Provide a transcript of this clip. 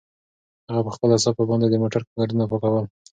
هغه په خپله صافه باندې د موټر ګردونه پاکول.